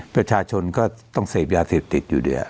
ประชาชนก็ต้องเสพยาเสพติดอยู่ด้วย